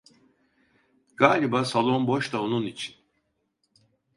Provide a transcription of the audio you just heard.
Galiba salon boş da onun için…